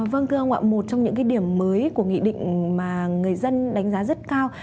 vâng thưa ông ạ một trong những cái điểm mới của nghị định mà người dân đánh giá rất cao